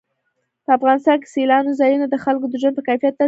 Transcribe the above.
په افغانستان کې سیلانی ځایونه د خلکو د ژوند په کیفیت تاثیر کوي.